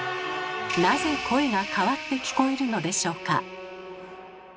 なぜ声が変わって聞こえるのでしょうか？